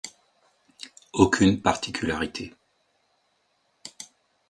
Aucune particularité.